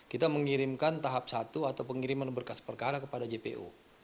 kita mengirimkan tahap satu atau pengiriman berkas perkara kepada jpu